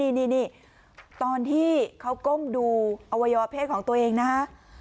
เดี๋ยวนี้ตอนที่เขาก้มดูอวัยวเพศของตัวเองนะคะ